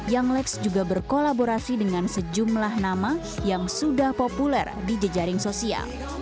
young lex juga berkolaborasi dengan sejumlah nama yang sudah populer di jejaring sosial